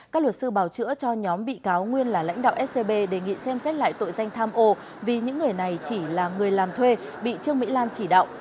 các luật sư bảo chữa cho nhóm bị cáo nguyên là lãnh đạo scb đề nghị xem xét lại tội danh tham ô vì những người này chỉ là người làm thuê bị trương mỹ lan chỉ đạo